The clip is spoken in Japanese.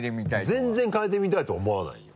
全然嗅いでみたいとは思わないよ。